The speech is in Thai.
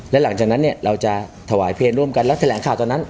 และหลังจากนั้นเนี่ยเราจะถวายเพลงร่วมกันแล้วแถลงข่าวตอนนั้น